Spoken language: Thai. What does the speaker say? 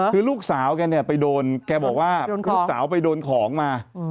คือลูกสาวไปโดนของมา